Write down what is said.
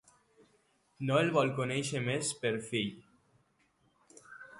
No el vol conèixer més per fill.